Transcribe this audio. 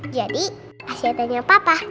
jadi kasih tanya papa